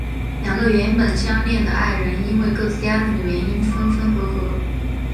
两个原本相恋的爱人因为各自家庭的原因分分合合。